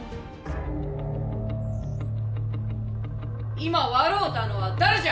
今笑うたのは誰じゃ。